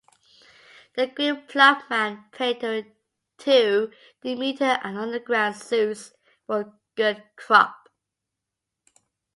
The Greek ploughman prayed to Demeter and Underground Zeus for a good crop.